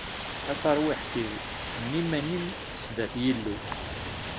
A tarwiḥt-iw, henni iman-im sdat Yillu.